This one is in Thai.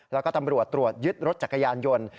แล้วก็ตำรวจตรวจยึดรถจักรยานยนต์